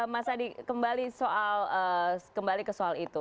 mas adi kembali ke soal itu